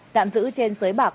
tạm giữ trên sới bạc